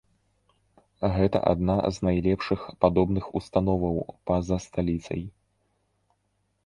Гэта адна з найлепшых падобных установаў па-за сталіцай.